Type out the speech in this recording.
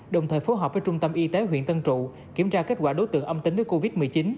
đồng thời phối hợp với trung tâm y tế huyện tân trụ kiểm tra kết quả đối tượng âm tính với covid một mươi chín